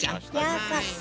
ようこそ。